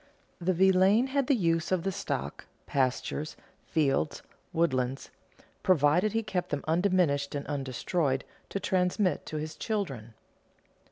The villein had the use of the stock, pastures, fields, woodlands, provided he kept them undiminished and undestroyed to transmit to his children.